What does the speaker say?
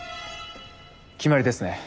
決まりですね。